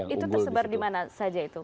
itu tersebar dimana saja itu